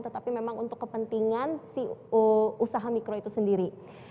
tetapi memang untuk kepentingan si usaha mikro itu sendiri